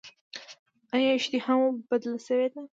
ایا اشتها مو بدله شوې ده؟